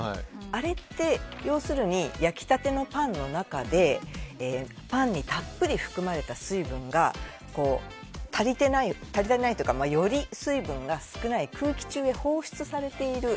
あれって、要するに焼きたてのパンの中でパンにたっぷり含まれた水分が足りてないというかより水分が少ない空気中に放出されている。